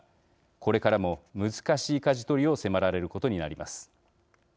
これからも難しいかじ取りを迫られることになります。